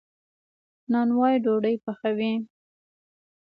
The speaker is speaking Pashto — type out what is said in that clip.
نانوا ډوډۍ پخوي.